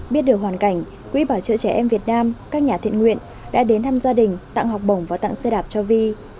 biết được hoàn cảnh quỹ bảo trợ trẻ em việt nam các nhà thiện nguyện đã đến thăm gia đình tặng học bổng và tặng xe đạp cho vi